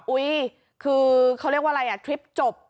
อุ๊ยคือเขาเรียกว่าอะไรอ่ะคลิปจบ